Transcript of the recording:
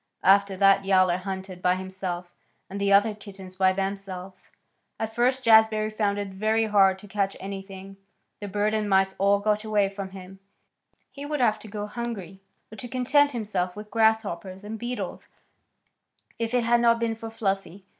After that Yowler hunted by himself, and the other kittens by themselves. At first Jazbury found it very hard to catch anything. The birds and mice all got away from him. He would have had to go hungry or to content himself with grasshoppers and beetles if it had not been for Fluffy.